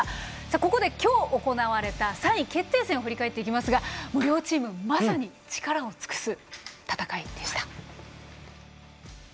ここで今日行われた３位決定戦を振り返っていきますが両チームまさに力を尽くす戦いでした。